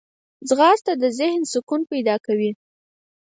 ځغاسته د ذهن سکون پیدا کوي